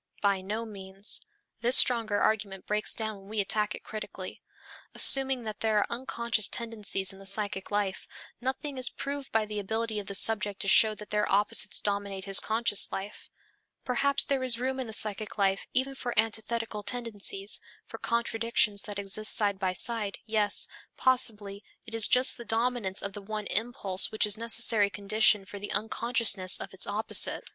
By no means; this stronger argument breaks down when we attack it critically. Assuming that there are unconscious tendencies in the psychic life, nothing is proved by the ability of the subject to show that their opposites dominate his conscious life. Perhaps there is room in the psychic life even for antithetical tendencies, for contradictions which exist side by side, yes, possibly it is just the dominance of the one impulse which is the necessary condition for the unconsciousness of its opposite.